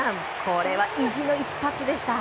これは意地の一発でした。